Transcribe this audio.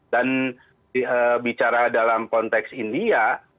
dan bicara dalam konteks india